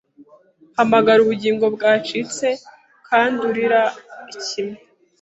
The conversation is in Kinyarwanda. Hamagara Ubugingo bwacitse kandi urira ikime